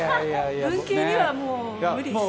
文系には、もう無理です。